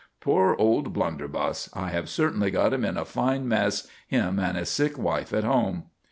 "Poor old blunderbuss. I have certainly got him in a fine mess, him and his sick wife at home."